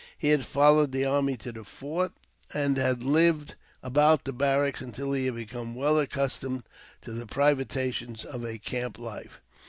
He had followed the army to the fort, and had lived about the barracks until he had become well accustomed to the privations of a camp life.